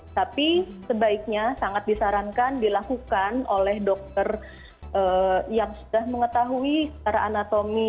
tapi sebaiknya sangat disarankan dilakukan oleh dokter yang sudah mengetahui secara anatomi